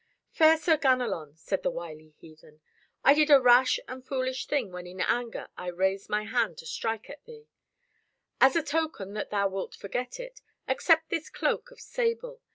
"Fair Sir Ganelon," said the wily heathen, "I did a rash and foolish thing when in anger I raised my hand to strike at thee. As a token that thou wilt forget it, accept this cloak of sable.